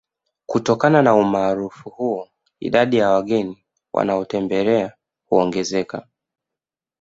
Kutokana na Umaarufu huo idadi ya wageni wanaotembelea huongezeka